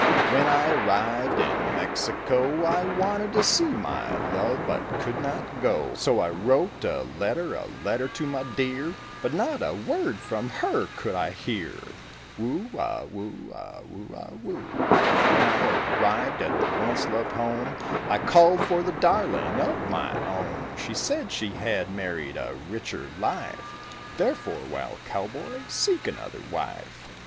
When I arrived in Mexico I wanted to see my love but could not go; So I wrote a letter, a letter to my dear, But not a word from her could I hear. Whoo a whoo a whoo a whoo. When I arrived at the once loved home I called for the darling of my own; They said she had married a richer life, Therefore, wild cowboy, seek another wife.